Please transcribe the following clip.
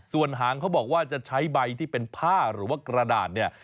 ส่วนหางเขาบอกว่าจะใช้ใบที่เป็นผ้าหรือว่ากระดาษเนี่ย